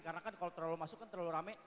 karena kan kalau terlalu masuk kan terlalu rame